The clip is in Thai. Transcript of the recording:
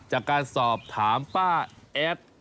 จากการสอบถามป้าแอด